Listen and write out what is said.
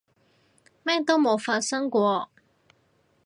咩都冇發生過